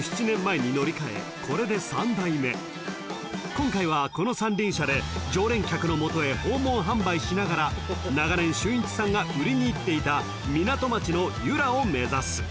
［今回はこの三輪車で常連客の元へ訪問販売しながら長年俊一さんが売りに行っていた港町の由良を目指す］